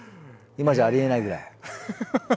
今じゃありえないぐらい。